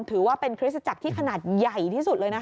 ถือว่าเป็นคริสตจักรที่ขนาดใหญ่ที่สุดเลยนะคะ